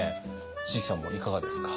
椎木さんもいかがですか？